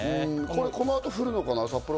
この後、降るのかな？